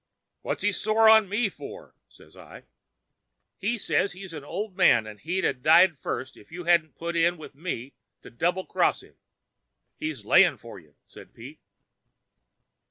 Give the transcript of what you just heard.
"'What's he sore on me for?' says I. "'He says he's an old man, and he'd 'a' died first if you hadn't put in with me to double cross him. He's laying for you,' says Pete.